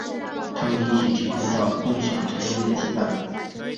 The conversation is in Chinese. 他们一起体会到共享疼痛的羁绊。